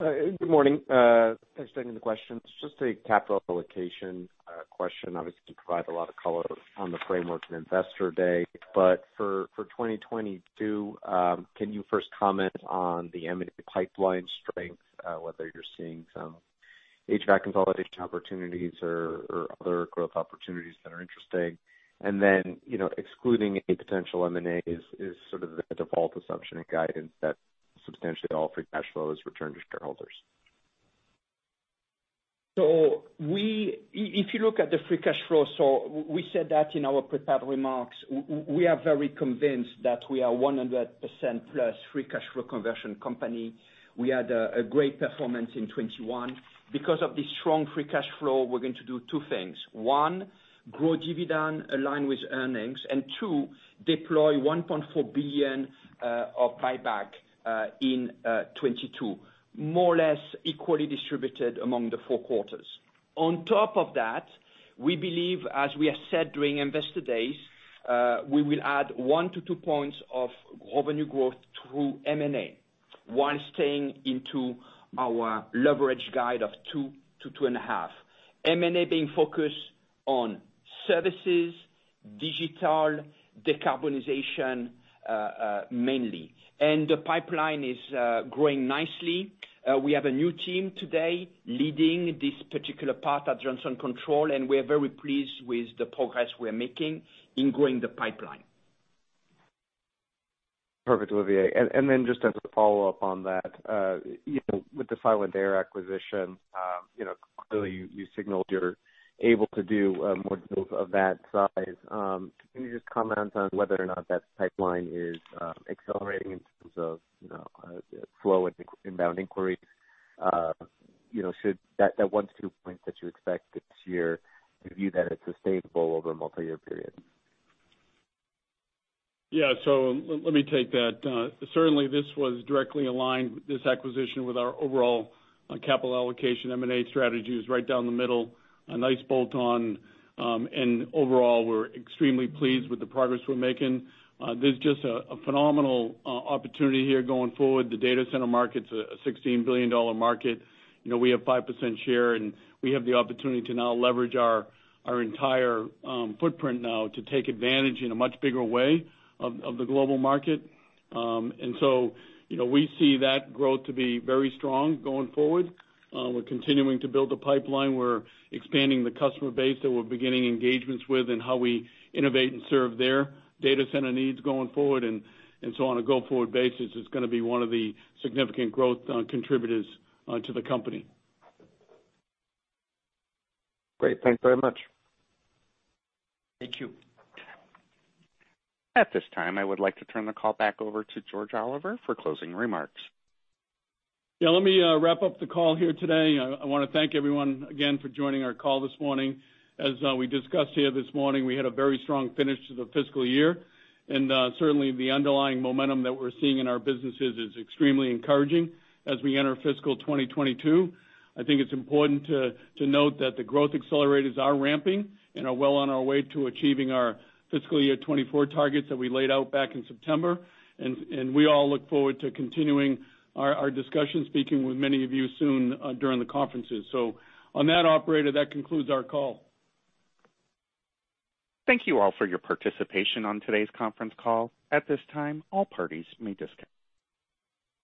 Good morning. Thanks for taking the questions. Just a capital allocation question. Obviously, you provide a lot of color on the framework in Investor Day, but for 2022, can you first comment on the M&A pipeline strength, whether you're seeing some HVAC consolidation opportunities or other growth opportunities that are interesting? You know, excluding any potential M&As is sort of the default assumption and guidance that substantially all free cash flow is returned to shareholders. If you look at the free cash flow, we said that in our prepared remarks, we are very convinced that we are 100% plus free cash flow conversion company. We had a great performance in 2021. Because of the strong free cash flow, we're going to do two things. One, grow dividend aligned with earnings. Two, deploy $1.4 billion of buyback in 2022, more or less equally distributed among the four quarters. On top of that, we believe, as we have said during Investor Days, we will add one-two points of revenue growth through M&A while staying into our leverage guide of two-2.5. M&A being focused on services, digital, decarbonization, mainly. The pipeline is growing nicely. We have a new team today leading this particular part at Johnson Controls, and we're very pleased with the progress we're making in growing the pipeline. Perfect, Olivier. Then just as a follow-up on that, you know, with the Silent-Aire acquisition, you know, clearly you signaled you're able to do more deals of that size. Can you just comment on whether or not that pipeline is accelerating in terms of, you know, the flow and inbound inquiries? You know, should that one-two points that you expect this year, do you view that as sustainable over a multi-year period? Yeah. Let me take that. Certainly this was directly aligned with this acquisition with our overall capital allocation M&A strategies right down the middle, a nice bolt-on, and overall we're extremely pleased with the progress we're making. There's just a phenomenal opportunity here going forward. The data center market's a $16 billion market. You know, we have 5% share, and we have the opportunity to now leverage our entire footprint now to take advantage in a much bigger way of the global market. You know, we see that growth to be very strong going forward. We're continuing to build the pipeline. We're expanding the customer base that we're beginning engagements with and how we innovate and serve their data center needs going forward. On a go-forward basis, it's gonna be one of the significant growth contributors to the company. Great. Thanks very much. Thank you. At this time, I would like to turn the call back over to George Oliver for closing remarks. Yeah, let me wrap up the call here today. I wanna thank everyone again for joining our call this morning. As we discussed here this morning, we had a very strong finish to the fiscal year. Certainly the underlying momentum that we're seeing in our businesses is extremely encouraging as we enter fiscal 2022. I think it's important to note that the growth accelerators are ramping and are well on our way to achieving our fiscal year 2024 targets that we laid out back in September. We all look forward to continuing our discussion, speaking with many of you soon during the conferences. On that, operator, that concludes our call. Thank you all for your participation on today's conference call. At this time, all parties may disconnect.